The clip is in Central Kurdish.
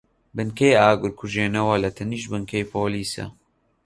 بنکەی ئاگرکوژێنەوە لەتەنیشت بنکەی پۆلیسە.